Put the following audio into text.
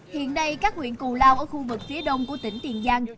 hiện nay các huyện cù lao ở khu vực phía đông của tỉnh tiền giang